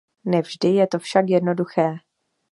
Ne vždy je to však jednoduché.